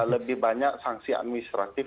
lebih banyak sanksi administratif